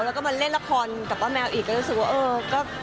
แล้วเล่นละครกับป้าแมวอีก